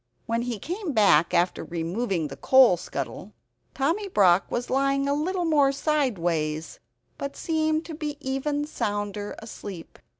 When he came back after removing the coal scuttle, Tommy Brock was lying a little more sideways; but he seemed even sounder asleep.